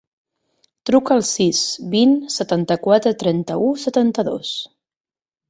Truca al sis, vint, setanta-quatre, trenta-u, setanta-dos.